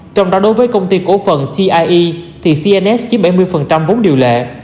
trong đó đối với công ty cổ phần tie thì cns chiếm bảy mươi vốn điều lệ